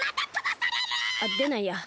あでないや。